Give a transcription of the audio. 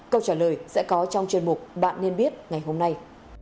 câu trả lời sẽ có trong chuyên mục bạn nên biết ngày hôm nay